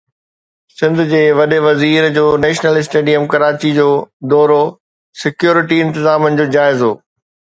سنڌ جي وڏي وزير جو نيشنل اسٽيڊيم ڪراچي جو دورو، سڪيورٽي انتظامن جو جائزو